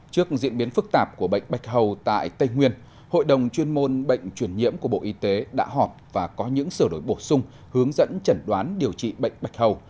trước diễn biến phức tạp của bệnh bạch hầu tại tây nguyên hội đồng chuyên môn bệnh truyền nhiễm của bộ y tế đã họp và có những sửa đổi bổ sung hướng dẫn chẩn đoán điều trị bệnh bạch hầu